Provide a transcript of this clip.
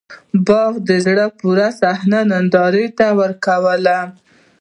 باغ په زړه پورې صحنه نندارې ته ورکوّله.